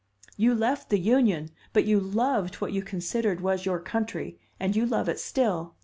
You left the Union, but you loved what you considered was your country, and you love it still.